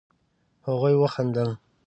هغوئ وخندل.